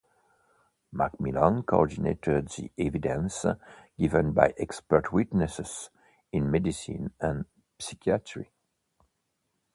Macmillan, coordinated the evidence given by expert witnesses in medicine and psychiatry.